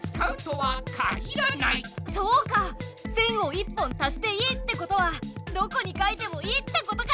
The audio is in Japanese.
線を１本足していいってことはどこに書いてもいいってことか！